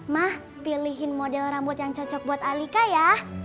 mah pilihin model rambut yang cocok buat alika ya